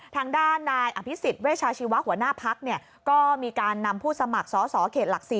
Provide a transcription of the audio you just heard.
ทางด้านนายอภิษฎเวชาชีวะหัวหน้าพักก็มีการนำผู้สมัครสอสอเขตหลัก๔